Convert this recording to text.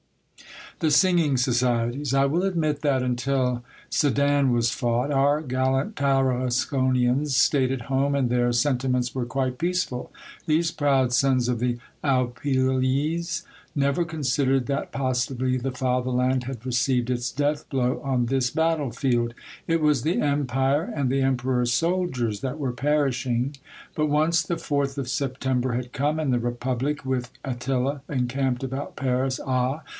THE SINGING SOCIETIES. I WILL admit that, until Sedan was fought, our gallant Tarasconians stayed at home, and their sen timents were quite peaceful. These proud sons of the Alpilles never considered that possibly the Fatherland had received its death blow on this battlefield. It was the Empire, and the Emperor's soldiers that were perishing. But once the Fourth of September had come and the Republic, with Attila encamped about Paris, ah